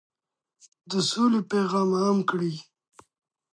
د سولې پیغام عام کړئ.